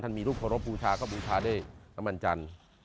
ท่านมีรูปรบบูชาก็บูชาด้วยน้ำมันจันทร์